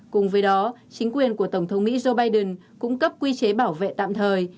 cùng với đó chính quyền của tổng thống mỹ joe biden cung cấp quy chế bảo vệ tạm thời